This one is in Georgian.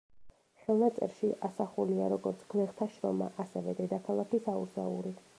ხელნაწერში ასახულია როგორც გლეხთა შრომა, ასევე დედაქალაქის აურზაური.